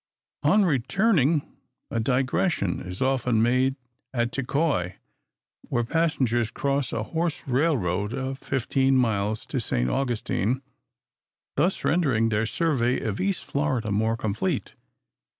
On returning, a digression is often made at Tekoi, where passengers cross a horse railroad of fifteen miles to St. Augustine; thus rendering their survey of East Florida more complete.